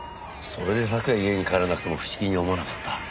それで昨夜家に帰らなくても不思議に思わなかった。